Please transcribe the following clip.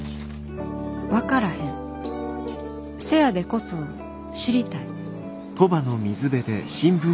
わからへんせやでこそ知りたい」。